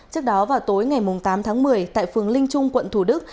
trước đó vào tối ngày tám tháng một mươi tại phường linh trung quận thủ đức